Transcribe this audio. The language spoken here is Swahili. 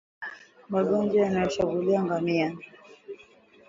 Magonjwa yanayoshambulia ngamia